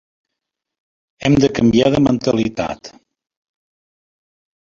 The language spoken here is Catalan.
Hem de canviar de mentalitat.